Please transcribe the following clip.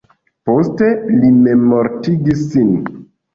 Poste li memmortigis sin.